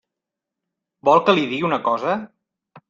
Vol que li digui una cosa?